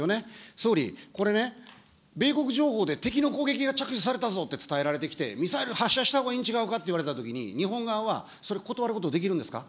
総理、これね、米国情報で敵の攻撃が着手されたぞって伝えられてきて、ミサイル発射したほうがいいんちがうかっていわれたときに、日本側はそれ、断ることできるんですか。